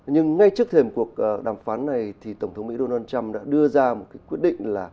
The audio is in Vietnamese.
nhưng ngay trước thềm cuộc đàm phán này tổng thống mỹ donald trump đã đưa ra quyết định